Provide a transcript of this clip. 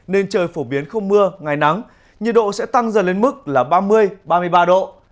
nên trời phổ biến không mưa ngày nắng nhiệt độ sẽ tăng dần lên mức là ba mươi ba mươi ba độ